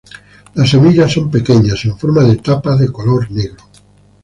Las semillas son pequeñas, en forma de tapa, de color negro.